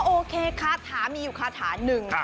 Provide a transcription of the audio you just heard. โอเคคาถามีอยู่คาถาหนึ่ง